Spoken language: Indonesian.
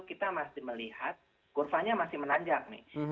kita masih melihat kurvanya masih menanjak nih